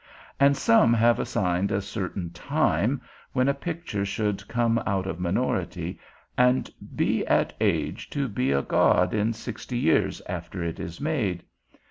And some have assigned a certain time, when a picture should come out of minority, and be at age to be a god in sixty years after it is made.